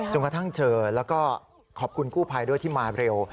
กระทั่งเจอแล้วก็ขอบคุณกู้ภัยด้วยที่มาเร็ว